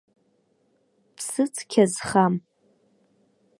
Ԥсыцқьа зхам.